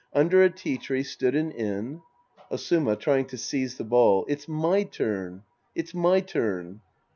Under a tea tree stood an inn — Osuma {trying to seize the ball). It's my turn. It's my turn.